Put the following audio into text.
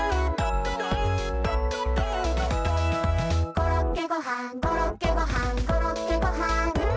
「コロッケごはんコロッケごはんコロッケごはん」